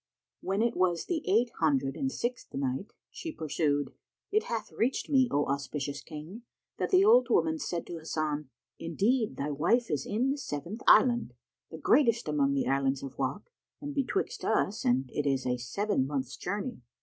When it was the Eight Hundred and Sixth Night, She pursued, It hath reached me, O auspicious King, that the old woman said to Hasan, "Indeed thy wife is in the Seventh Island,[FN#126] the greatest amongst the Islands of Wak and betwixt us and it is a seven months' journey.